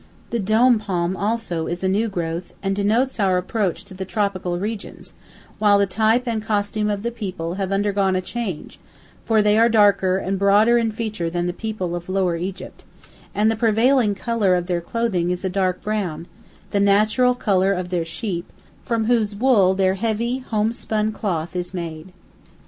The dôm palm also is a new growth, and denotes our approach to tropical regions, while the type and costume of the people have undergone a change, for they are darker and broader in feature than the people of Lower Egypt, and the prevailing colour of their clothing is a dark brown, the natural colour of their sheep, from whose wool their heavy homespun cloth is made.